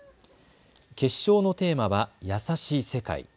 決勝のテーマはやさしい世界。